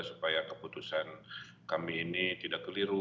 supaya keputusan kami ini tidak keliru